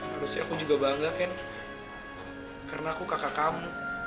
harusnya aku juga bangga kan karena aku kakak kamu